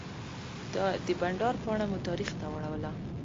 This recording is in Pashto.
د بانډار پاڼه مو تاریخ ته واړوله.